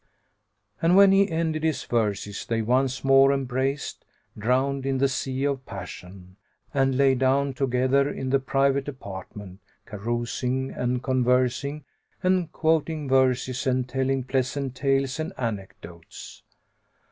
And when he ended his verses they once more embraced, drowned in the sea of passion; and lay down together in the private apartment carousing and conversing and quoting verses and telling pleasant tales and anecdotes.